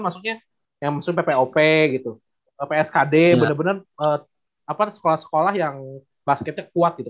maksudnya yang masuk ppop gitu pskd bener bener sekolah sekolah yang basketnya kuat gitu